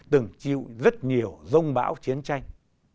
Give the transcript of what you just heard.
từng chịu rất nhiều dông bão chiến tranh